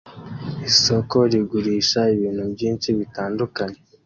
Isoko rigurisha ibintu byinshi bitandukanye